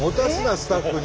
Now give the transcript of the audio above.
スタッフに。